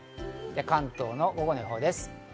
関東の午後の予報です。